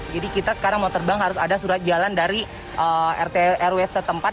jadi kita sekarang mau terbang harus ada surat jalan dari rt dan rw setempat